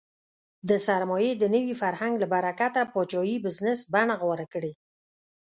د سرمایې د نوي فرهنګ له برکته پاچاهۍ بزنس بڼه غوره کړې.